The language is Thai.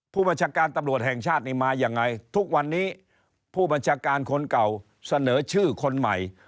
ผู้บัญชาการตำรวจแห่งชาตินี่มายังไงทุกวันนี้ผู้บัญชาการคนเก่าเสนอชื่อคนใหม่